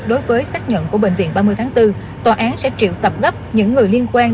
đối với xác nhận của bệnh viện ba mươi tháng bốn tòa án sẽ triệu tập gấp những người liên quan